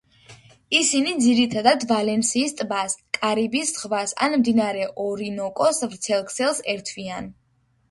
ისინი ძირითადად ვალენსიის ტბას, კარიბის ზღვას ან მდინარე ორინოკოს ვრცელ ქსელს ერთვიან.